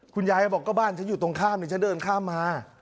คุณยายบอกก็บ้านฉันอยู่ตรงข้ามนี่ฉันเดินข้ามมา